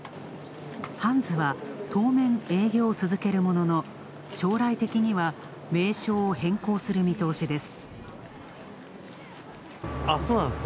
ハンズは当面、営業を続けるものの将来的には名称を変更する見通しです。